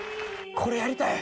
これやりたい！